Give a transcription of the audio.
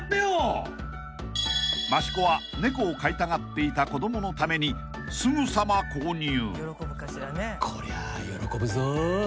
［益子は猫を飼いたがっていた子供のためにすぐさま購入］